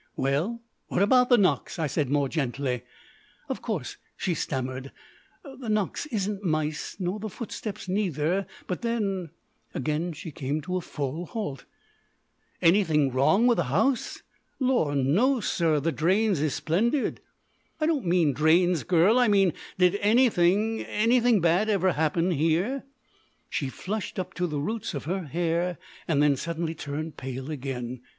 "Well, what about the knocks?" I said more gently. "Of course," she stammered, "the knocks isn't mice, nor the footsteps neither, but then " Again she came to a full halt. "Anything wrong with the house?" "Lor', no, sir; the drains is splendid!" "I don't mean drains, girl. I mean, did anything anything bad ever happen here?" She flushed up to the roots of her hair, and then turned suddenly pale again.